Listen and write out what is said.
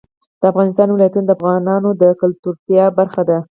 د افغانستان ولايتونه د افغانانو د ګټورتیا برخه ده.